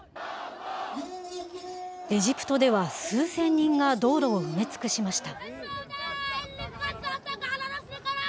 エジプトでは数千人が道路を埋め尽くしました。